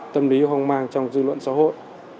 tâm lý hoang mang trong dư luận xã hội